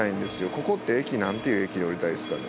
ここって駅なんていう駅で降りたらいいですかね？